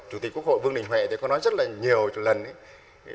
chủ tịch quốc hội vương đình huệ thì có nói rất là nhiều lần ấy